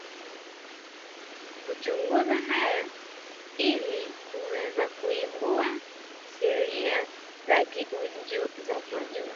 kuchunguza haya ili kuweza kuibua sheria za kiujumla